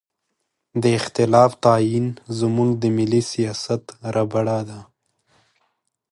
د اختلاف تعین زموږ د ملي سیاست ربړه ده.